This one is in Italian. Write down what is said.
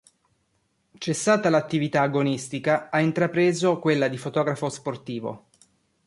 Cessata l'attività agonistica ha intrapreso quella di fotografo sportivo.